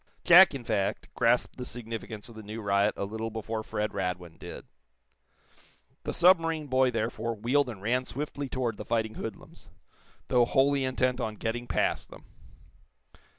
Jack, in fact, grasped the significance of the new riot a little before Fred Radwin did. The submarine boy, therefore, wheeled and ran swiftly toward the fighting hoodlums, though wholly intent on getting past them.